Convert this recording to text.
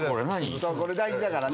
これ大事だからね。